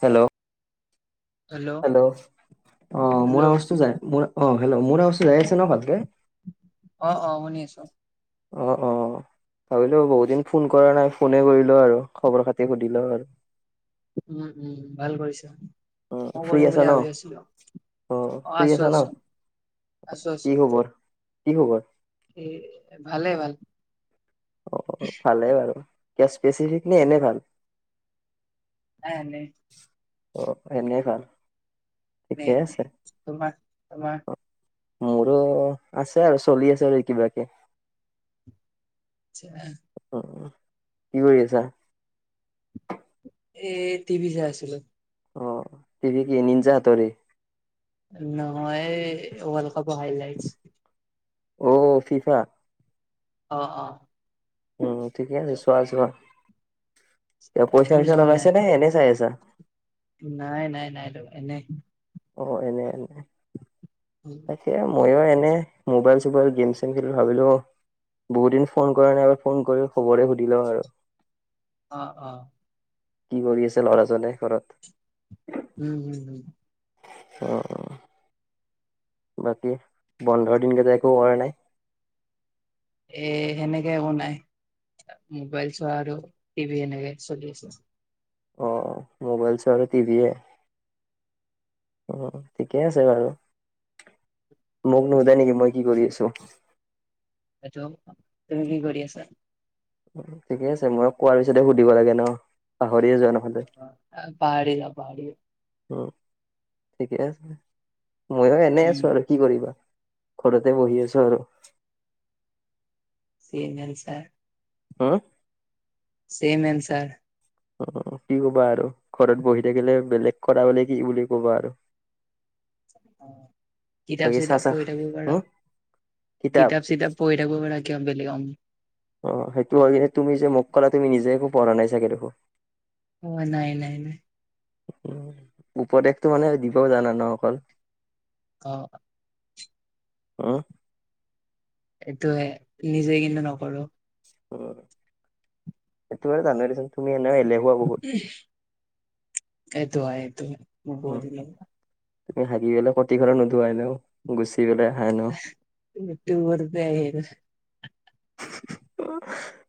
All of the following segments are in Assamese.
হেল্ল' হেল্ল' অ হেল্ল' মোৰ আৱজটো ম অ হেল্ল' মোৰ আৱজটো যাই আছে ন ভালকে অ অ শুনি আছো অ অ ভাবিলো বহুদিন ফোন কৰা নাই ফোনে কৰিলো আৰু খবৰ খাতি সুধিলো আৰু উম উম ভাল কৰিছা উম ক ফ্ৰী কৰিম আছা বুলি ন ভাবি আছিলো অ ফ্ৰী আছো আছা ন আছো আছো আছো কি খবৰ কি খবৰ এ ভালে ভাল অ ভালেই বাৰু ক স্পেচিফিকলি এনেই ভাল আহ নাই অ এনে ভাল ন ঠিকে আছে তোমাৰ তোমাৰ মোৰো আছে আৰু চলি আছে আৰু কিবাকি উ অ কি কৰি আছা। এ টিভি যে আছিলো অ টিভি কি নিঞ্জ হাতৰি নহয় ৱৰ্ল্ড কাপৰ হাইলাইট অ ফিফা অ অ উম ঠিকে আছে চোৱা চোৱা। ক পইছা তুমি উচাচা চোৱা নাই এনে চাই আ ছা নাই নাই নাই ত এনে অ এনে এনে তাকে মইও এনে মোবাইল চোবাইল গেম চেম খেলি ভাবিলো বহুতদিন ফোন কৰা নাই এবাৰ ফোন কৰি খবৰে সুধি লওঁ আৰু অ অ কি কৰি আছে ল'ৰাজনে ঘৰত উম উম হম অ বাকী বন্ধৰ দিনকেইটা একো কৰা নাই এ সেনেকে একো নাই মোবাইল চোৱা আৰু টিভি সেনেকে চলি আছে অ মোবাইল চ আৰু টি ভি অ ঠিকেই আছে বাৰু মগ নহুদায় নেকি মই কি কৰি আছো [unintelligible] টো তুমি কি কৰি আছা [unintelligible] ঠিকে আছে মই কোৱাৰ পিছতে সুধিব লাগে ন পাহৰিয়ে যোৱা ন পাৰি পাৰি উ ঠিকে আছে ময়ো এনেই আছো উম আৰু কি কৰিবা ঘৰতে বহি আছো আৰু চিমেল ছাৰ হা চেম আনচাৰ [unintelligible] অ কি কবা আৰু ঘৰত বহি থাকিলে বেলেগ কৰা বলে কি বুলি কবা আৰু [unintelligible] কিতাপ বাকী চাহ চিতাপ চাহ পঢ়ি থাক পাৰা হম কিতাপ চিতাপ পঢ়ি থাকিব পাৰা [unintelligible] বেলেগ অ সেইটো হয় কি তুমি যে মোক কলা তুমি নিজে একো পঢ়া নাই চাগে দেখো অ, নাই-নাই-নাই উপদেশটো মানে দিব জানা ন অকল [unintelligible] অ হা এইটোয়ে, নিজে কিন্তু নকৰো। হয়, এইটো জানো দেচোন, তুমি এনে এলেহুৱা বহুত সেইটো হয়, সেইটো হয়, মই উম বহুত এলেহুৱা। তুমি হাগি পেলাই, কতিখন নোধোৱাই ন? গুচি [unintelligible] এনেও ট বৰদেয় [unintelligible]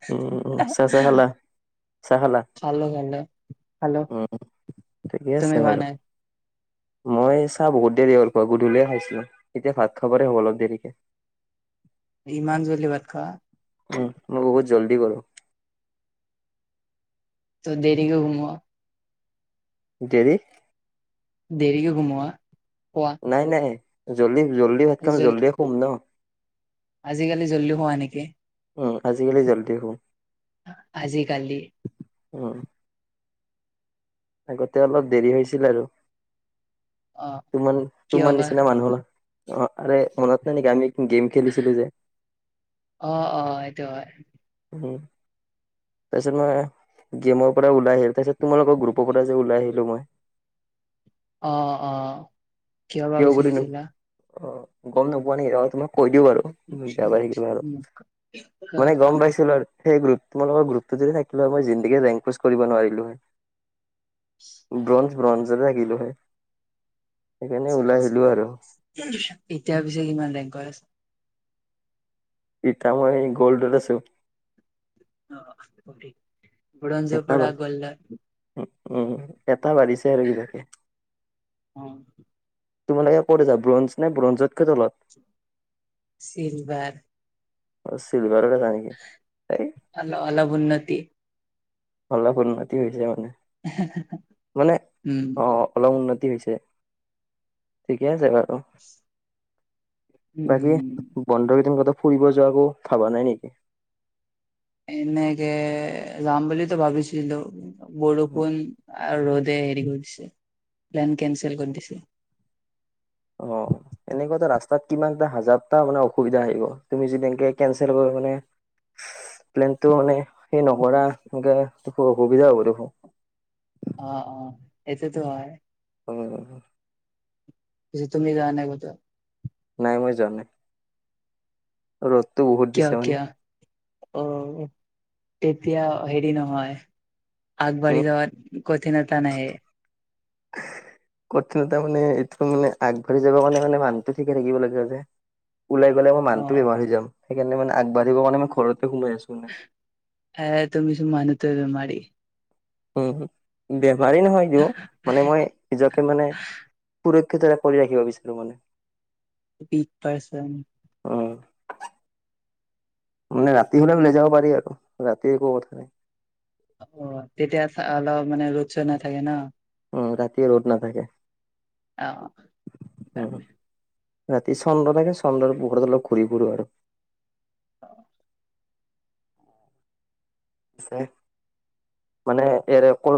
উম, চা-চা খালা, চাহ খালা? খালো খালো খালো উম, ঠিকে তুমি আছে খোৱা বাৰু নাই মই চাহ বহুত দেৰি হ'ল, ঘৰত গধূলিয়ে খাইছিলো, এতিয়া ভাত খাবৰে হ'ব অলপ দেৰিকে [unintelligible] [inaudible] ইমান জল্দি ভাত খোৱা? উম, মই বহুত জল্দি কৰো। ত দেৰিকে ঘুমা? দেৰি দেৰিকে ঘুমা? [unintelligible] নাই-নাই, জল্দি-জল্দি ভাত খাম, জল জল্দিয়ে শুম ন। আজিকালি জল্দি হোৱা নেকি? অ, আজিকালি জল্দি শোওঁ। আজিকালি উম আগতে অলপ দেৰি হৈছিল আৰু অ কিয় তোমাৰ-তোমাৰ বা নিচিনা মানুহে, অ আৰে, মনত নাই নেকি আমি গেম খেলিছিলো যে, অ অ এইটো উম তাৰপাছত মই, গেমৰ পৰা ওলাই আহিলোঁ, তাৰপাছত তোমালোকৰ গ্ৰুপৰ পৰা যে, ওলাই আহিলো মই অ-অ কিয় বুলি মোক, অ, গম নোপোৱা নেকি তোমাক [unintelligible] কৈ দিওঁ বাৰু, বেয়া পায় থাকিবা আৰু মানে গম পাইছিলো আৰু [unintelligible] সেই গ্ৰুপ, তোমালোকৰ গ্ৰুপটো যদি থাকিলে হয়, মই জীন্দেগি ৰেংকোজ কৰিব নোৱাৰিলো হয়। ব্ৰজ্ঞ-ব্ৰজ্ঞয়ে থাকিলো হয়। [unintelligible] এতিয়া আহিলো আৰু পিছে কিমান ৰেংকত আছা? [unintelligible] এতিয়া মই গ'ল্ডত আছো। অ, ব্ৰঞ্জৰ এটা পৰা বাৰ গ'ল্ডত কথা বাঢ়িছে আৰু বিলাকে তোমালোকে ক'ত আছা? ব্ৰঞ্জ নে ব্ৰঞ্জতকৈ তলত? চিলভাৰ। অ, চিলভাৰত আছা নেকি? এই কি অলপ উন্নতি হৈছে আৰু, মানে উম অ, অলপ উন্নতি উন্নতি হৈছে, ঠিকে আছে বাৰু। বাকী, উম বন্ধকেইদিন ক'ৰবাত ফুৰিব যোৱাতো ভাবা নাই নেকি? এনেকে যাম বুলিটো ভাবিছিলো, বৰষুণ আৰু ৰ'দে হেৰি কৰি দিছে, প্লেন কেনচেল কৰি দিছে। অ এনেকোৱা এটা ৰাস্তাত কিমান এটা হাজাৰটা মানে অসুবিধা আহিব, তুমি যদি এনেকে কেনচেল কৰা মানে প্লেনটো মানে সেই নকৰা এনেকে দেখো, অসুবিধা হ'ব দেখোন। অ-অ, এইটোতো হয়। অ। পিছে তুমি যোৱা নাই কতো। নাই মই জোৱা নাই ৰদ কিয় কিয় অ তেতিয়া হেৰি নহয়। আগ বাঢ়ি উম যাবাত কঠিনতা নাহে। এ হু কঠিনতা মানে এইটো মানে আগবাঢ়ি যাব কাৰণে মানে মানুটো ঠিকে থাকিব লাগিব যে। ওলাই গ'লে মই মানুহটোৱে বেমাৰ অ', হৈ যাম সেইকাৰণে মানে মই আগবাঢ়িব মানে ম ঘৰত। হে তুমিছো মানুহটোৱে বেমাৰি। উম বেমাৰী নহয় দিও মানে মই নিজকে মানে প এটা কৰি ৰাখিব বিচাৰো মানে। পক পাইছা ন। উম মানে ৰাতি হলে ওলাই যাব পাৰি আৰু ৰাতিৰ একো কথা নাই। অ তেতিয়া অলপ মানে ৰ'দ চত' নাথাকে ন। উম ৰাতি ৰ'দ নাথাকে। অ। উম ৰাতি চন্দ্ৰ থাকে চন্দ্ৰ পোহৰত অলপ ঘূৰি ফুুৰো আৰু। অ। আছে। মানে ই ক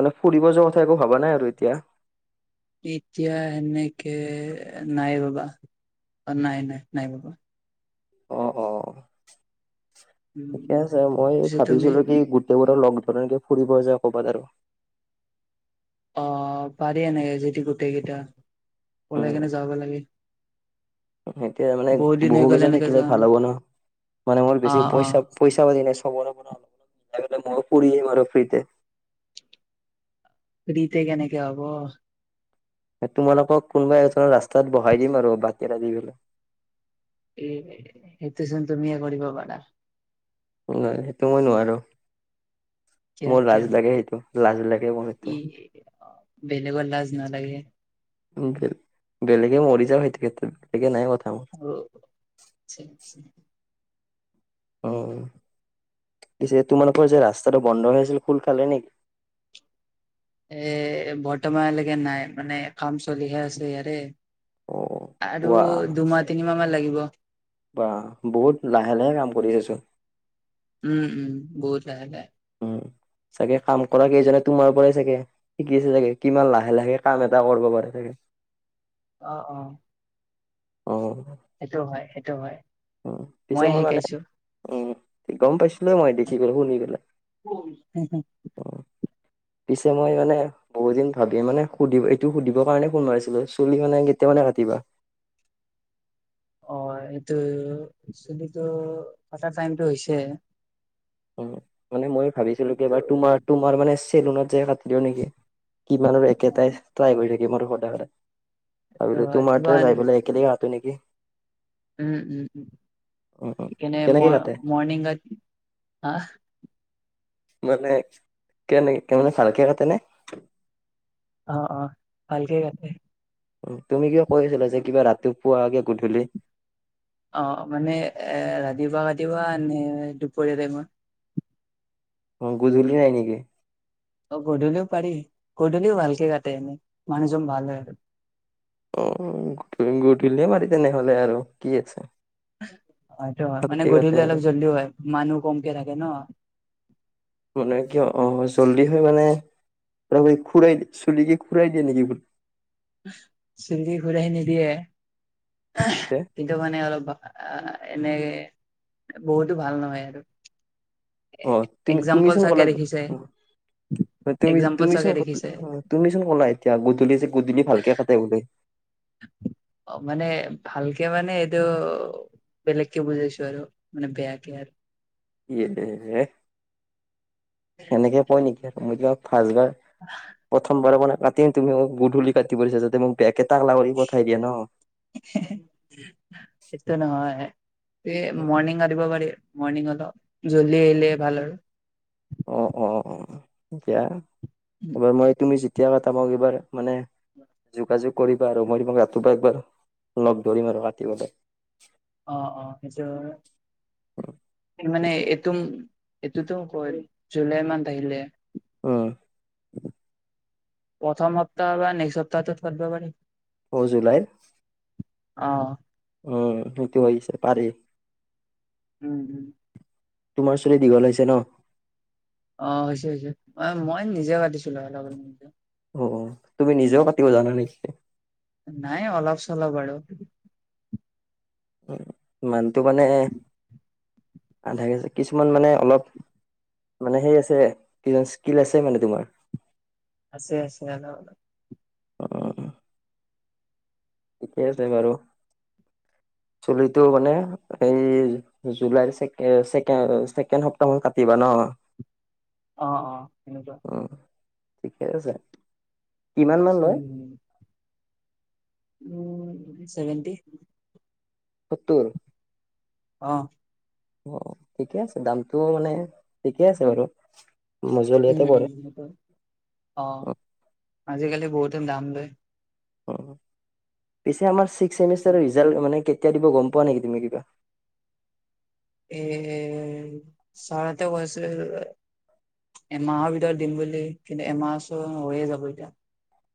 মানে ফুৰিব যোৱা কথা একো ভবা নাই আৰু এতিয়া। এতিয়া সেনেকে নাই বাবা। অ নাই নাই নাই বাবা। অ অ ঠিকে উম, আছে মই পিছে তুমি ভাবিছিলো কি গো তেওঁৰ লগত মানে ফুৰিব যায় ক'ৰবাত আৰু। অ পাৰি এনেকে যদি গোটেই কেইটা ওলাই উম কেনে যাব লাগে। এতিয়া মানে বহুত দিন হৈ বহু গ'ল কেইজন এনেকে থাকিলে যোৱা ভাল নাই হ'ব ন মানে মোৰ বেছি অ', অ', পইচা পইচা পাতি নাই খবৰ অলপ অলপ লগতে মইয়ো ফুৰি আহিম আৰু ফ্ৰীতে। ফ্ৰীতে কেনেকে হব। তোমালোকক কোনোবা এজনৰ ৰাস্তাত বহাই দিম আৰু বাটি এটা দি পেলাই। এ সেইটোচোন তুমিয়ে কৰিব পাৰা। না সেইটো মই নোৱাৰো। কিয় মোৰ কিয় লাজ লাগে সেইটো লাজ লাগে মোৰ ই সেটো। বেলেগৰ লাজ নালাগে। বেলেগে মৰি যাওঁ সেটো বেলেগে নাই কথা মোৰ অ ঠিক ঠিক। অ। পিছে তোমালোকৰ যে ৰাস্তাটো বন্ধ হৈ আছিল খোন খালে নেকি। এ বৰ্তমানলৈকে নাই মানে কাম চলিহে আছে ইয়াৰে। অ আৰু ৱা দুমাহ তিনিমাহ মান লাগিব। বা বহুত লাহে লাহে কাম কৰিছেছো। উম, উম বহুত যগায়। উম। চাগে কাম কৰা কেইজনে তোমাৰ পৰাই চাগে শিকি আছে চাগে কিমান লাহে লাহে কাম এটা কৰিব পাৰে চাগে। [unintelligible] অ অ। অ। সেইটো হয় সেইটো হয় উ পিছে মই মানে উ গম পাইছো। মই দেখি পেল শুনি পেলাই অ। পিছে মই মানে বহুত দিন ভাবি মানে সুধিব এইটো সুধিবৰ কাৰণে ফোন মাৰিছিলো চুলি মানে কেতিয় মানে। ৰাতি বা অ এইটো চুলিটো কটা টাইমটো হৈছে অ মানে মই ভাবিছিলো কিন্তু কিবাৰ তোমাৰ তোমাৰ মানে চেলুনত যে কাটি দিও নেকি কিমান আৰু অ একেটাই ট্ৰাই কৰি থাকিম আৰু সদায় সদায় সেইটো ভাবিলো হয় তোৰ কিবা মাৰতে যাই পেলাই একেলগে কাটো নেকি উম উম উ উম, উম। সেইকাৰণে কেনেকে মই কাটে? মৰ্ণিং [unintelligible] মানে কেনে মানে ভাল কে কাটে নে অ অ ভালকে কাটে তুমি কিয় কৈ আছিলা যে কিবা ৰাতি পুৱাগে গধূলি অ মানে এ ৰাতিপুৱা ৰাতিপুৱা নে দুপৰীয়া টাইমত অ গুধূলি নাই নেকি অ গধূলিও পাৰি গধূলিও ভালকে কাটে এনেই মানুহজন ভাল হয় আৰু অ গধূলি মাৰিম আৰু কি আছে হয়টো হয় মানে ভালকে কাটে গধূলি আৰু। অলপ জল্ডি হয় মানুহ কমকে থাকে ন মানে কিয় অ জল্দি হৈ মানে তই খুৰাই দি চুলিক খুৰাই দিয়ে নেকি বুলি চুলি খোৰাই নিদিয়ে গোটে কিন্তু মানে অলপ এনেকে বহুতো ভাল নহয় আৰু অ তুমি এক্জাম্পল চোন চাগে ক'লা দেখিছে অ তুমি এক্জাম্পল তুমি চোন চাগে দেখিছে তুমি চোন ক'ল এতিয়া গুধুলি গুধুলী ভালকে কাটে বোলি অ মানে ভালকে মানে এইটো বেলেকে বুজাইছো আৰু মানে বেয়া কে ই দে সেনেকে কয় নেকি বাৰ প্ৰথমবাৰৰ বাবে কাটিম তুমি মোক গধূলি কাটি পৰিছা দিছা যাতে মোকে বেয়াকে তাকলা কৰি পঠাই দিয়ে ন এ মৰ্ণিং কাতিব পাৰি মৰ্ণং অলপ জললি আহিলে ভাল আৰু অ অ অ এতিয়াবাৰ মই তুমি এতিয়া কটা পা এইবাৰ মানে যোগাযোগ কৰিবা আৰু মই তোমাক ৰাতিপুৱা একবাৰ লগ ধৰিম আৰু ৰাতিপুৱালে অ অ সেইটো মানে এইটো এইটোতো কয় জুলাই মান্থ আহিলে অ প্ৰথম সপ্তাহ বা নেক্সট সপ্তাহত ধৰিব পাৰি হ জুলাই অ। উম সেইটো হৈছে পাৰি। উম হম। তোমাৰ চুলি দীঘল হৈছে ন? অ হৈছে হৈছে অ মই নিজে কতিছিলো ল লগ। তুমি নিজেও কাতিব জানা নেকি? নাই অলপ চলপ আৰু। উ ইমানটো মানে আধাকে কিছুমান মানে অলপ মানে সেই আছে কিজান স্কিল আছে মানে তোমাৰ? আছে আছে আও ন? অ', ঠিকে আছে বাৰু। চুলিটো মানে এই জুলাই ছেকেণ্ড সপ্তাহ কাটিবা ন? [inaudible] অ অ সেনেকুৱা। উম, ঠিকে আছে কিমান মান লয়? উম চেভেণ্টি সুত্তৰ? অ। অ ঠিকে আছে দামটো মানে ঠিকে আছে বাৰু। উম মজলীয়াতে উম পৰে। সেইটো অ আজিকালি বহুতে দাম লয়। পিছে আমাৰ চিক্স চেমিষ্টাৰৰ ৰিজাল্ট মানে কে কেতিয়া দিব গম পোৱা নেকি তুমি কিবা? এ চাৰহতে কৈছে এমাহৰ ভিতৰত দিম বুলি। কিন্তু এমাহ ছ হৈয়ে যাব এতিয়া।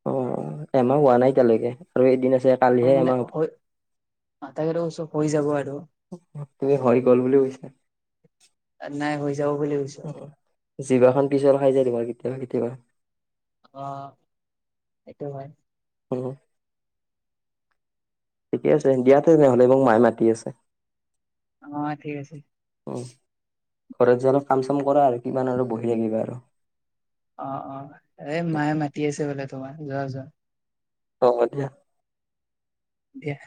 অ এমাহ হোৱা নাই এতিয়ালৈকে আৰু এদিন আছে অ কালিহে মানে এমাহ হৈ অ', তাকেতো কৈছো হৈ যাব আৰু তুমি হৈ গল বুলি কৈছা। ত নাই হৈ যাব বুলি কৈছে। জিবাখন পিছল খাই যাই যে তোমাৰ কেতিয়াবা কেতিয়াবা। অ সেইটো হয়। উম্। ঠিকে আছে দিয়া তেনেহলে মোক মায়ে মাতি আছে। অ ঠিক আছে। ঘৰত যে অলপ কাম চাম কৰা আৰু কিমান আৰু বহি থাকিবা আৰু। অ অ এই মায়ে মাতি আছে বোলে তোমাৰ যোৱা যোৱা। অ দিয়া। দিয়া।